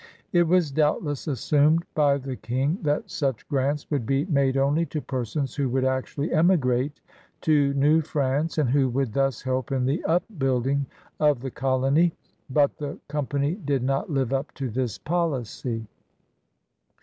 It was doubtless assumed by the King that such grants would be made only to persons who would actually emigrate to New France and who would thus help in the upbuilding of the colony, but the Company did not live up to this policy.